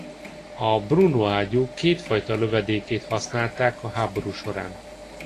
A Bruno ágyú kétfajta lövedékét használták a háború során.